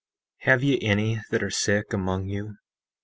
17:7 Have ye any that are sick among you?